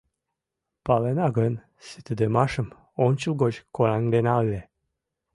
Палена гын, ситыдымашым ончылгоч кораҥдена ыле.